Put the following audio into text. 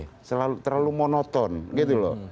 karena itu sudah terlalu monoton gitu loh